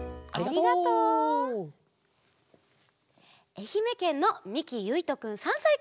えひめけんのみきゆいとくん３さいから。